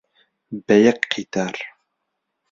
بە یەک قیتار،